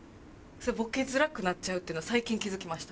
ボケづらくなっちゃうっていうの最近気付きました。